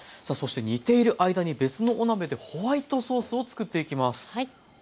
さあそして煮ている間に別のお鍋でホワイトソースを作っていきます。